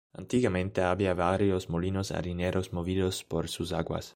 Antiguamente había varios molinos harineros movidos por sus aguas.